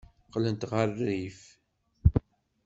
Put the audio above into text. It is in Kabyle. Qqlent ɣer rrif.